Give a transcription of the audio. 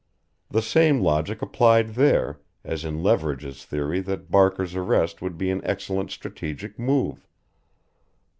The same logic applied there, as in Leverage's theory that Barker's arrest would be an excellent strategic move.